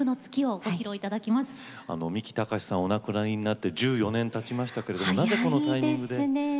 お亡くなりになられて１４年たちましたがなぜこのタイミングで？